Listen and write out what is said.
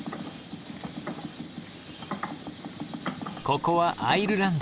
ここはアイルランド。